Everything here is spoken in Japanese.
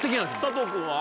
佐藤君は？